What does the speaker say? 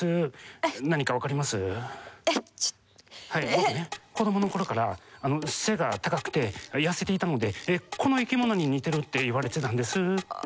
僕ね今子どものころから背が高くて痩せていたのでこの生きものに似てるって言われてたんです。